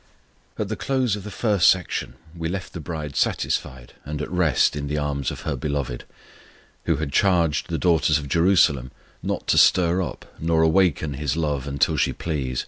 AT the close of the first section we left the bride satisfied and at rest in the arms of her Beloved, who had charged the daughters of Jerusalem not to stir up nor awaken His love until she please.